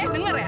eh denger ya